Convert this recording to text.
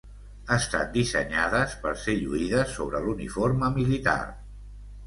Estan dissenyades per ser lluïdes sobre l'uniforme militar.